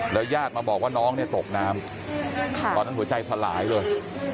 ญาติมาบอกว่าน้องเนี่ยตกน้ำตอนนั้นหัวใจสลายเลย